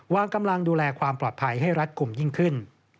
วางกำลังดูแลความปลอดภัยให้รัดกลุ่มยิ่งขึ้น